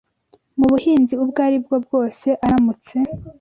mu buhinzi ubwo ari bwo bwose aramutse